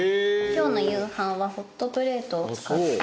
今日の夕飯はホットプレートを使って。